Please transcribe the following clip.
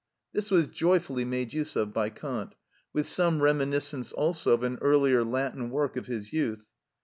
This was joyfully made use of by Kant, with some reminiscence also of an earlier Latin work of his youth.